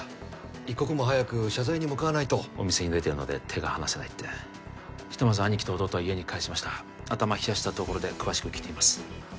一刻も早く謝罪に向かわないとお店に出てるので手が離せないってひとまず兄貴と弟は家に帰しました頭冷やしたところで詳しく聞いてみます